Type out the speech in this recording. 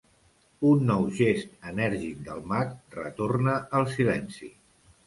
Un nou gest enèrgic del mag retorna el silenci.